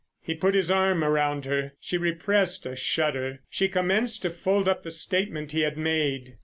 He put his arm around her; she repressed a shudder. She commenced to fold up the statement he had made.